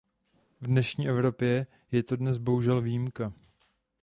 V dnešní Evropě je to dnes bohužel výjimka.